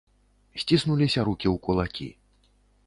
Сціснуліся рукі ў кулакі.